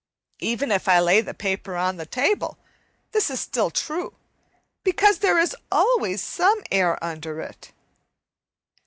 Even if I lay the paper on the table this is still true, because there is always some air under it.